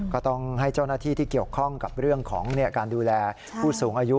ก็ต้องให้เจ้าหน้าที่ที่เกี่ยวข้องกับเรื่องของการดูแลผู้สูงอายุ